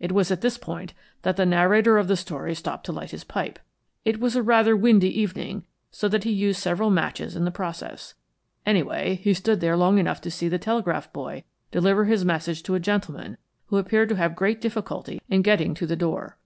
It was at this point that the narrator of the story stopped to light his pipe. It was rather a windy evening, so that he used several matches in the process. Anyway, he stood there long enough to see the telegraph boy deliver his message to a gentleman who appeared to have great difficulty in getting to the door.